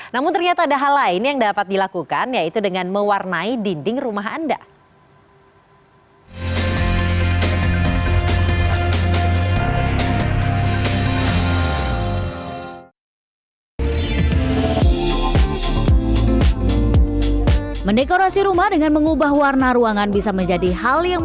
namun ternyata ada hal lain yang dapat dilakukan yaitu dengan mewarnai dinding rumah anda